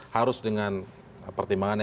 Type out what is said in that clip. harus dengan pertimbangan